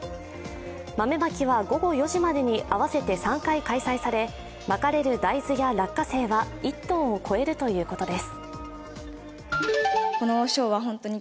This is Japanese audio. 豆まきは午後４時までに合わせて３回開催され、まかれる大豆や落花生は１ｔを超えるということです。